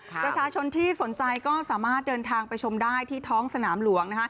ประชาชนที่สนใจก็สามารถเดินทางไปชมได้ที่ท้องสนามหลวง